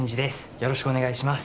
よろしくお願いします